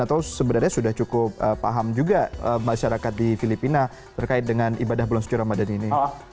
atau sebenarnya sudah cukup paham juga masyarakat di filipina terkait dengan ibadah bulan suci ramadan ini